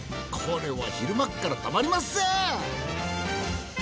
これは昼間っからたまりません。